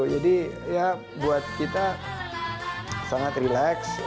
jadi ya buat kita sangat relax